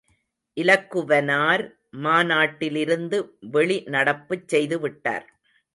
இலக்குவனார் மாநாட்டிலிருந்து வெளிநடப்புச் செய்துவிட்டார்!